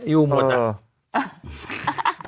อยู่หมดอ่ะ